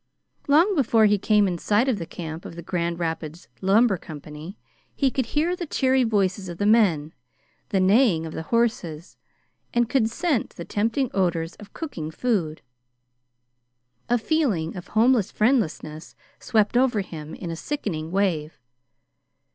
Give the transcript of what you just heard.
Long before he came in sight of the camp of the Grand Rapids Lumber Company, he could hear the cheery voices of the men, the neighing of the horses, and could scent the tempting odors of cooking food. A feeling of homeless friendlessness swept over him in a sickening wave.